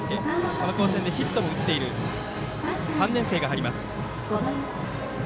この甲子園でヒットも打っている３年生が入ります。